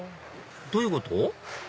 どういうこと？